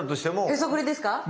へそくりですか？